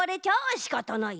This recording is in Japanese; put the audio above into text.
しかたない。